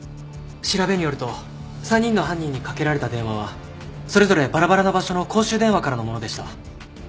調べによると３人の犯人にかけられた電話はそれぞれバラバラな場所の公衆電話からのものでした。